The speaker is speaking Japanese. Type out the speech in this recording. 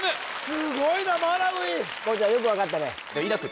すごいなマラウイこうちゃんよく分かったね